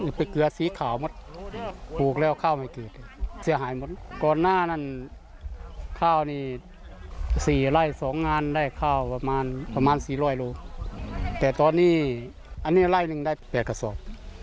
ได้ข้าวประมาณ๔๐๐กิโลกรัมแต่ตอนนี้อันนี้รายหนึ่งได้๘กระสอบ